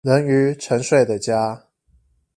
人魚沉睡的家